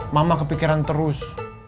mama kepikiran terus